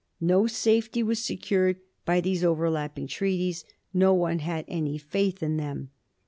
No safety was secured by these overlapping treaties ; no one had any faith in them.